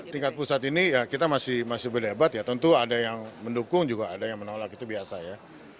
tingkat pusat ini ya kita masih berdebat ya tentu ada yang mendukung juga ada yang menolak itu biasa ya